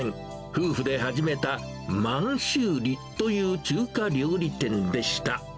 夫婦で始めた満州里という中華料理店でした。